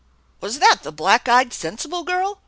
" Was that the black eyed, sensible girl?